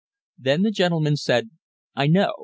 Then the gentleman said: 'I know!